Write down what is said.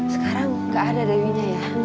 sekarang nggak ada dewi nya ya